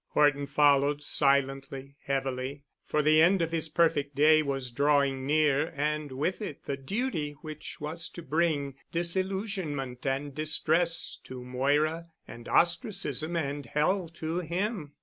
Horton followed silently—heavily, for the end of his perfect day was drawing near and with it the duty which was to bring disillusionment and distress to Moira and ostracism and hell to him.